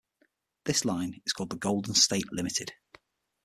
This line is called the "Golden State Limited".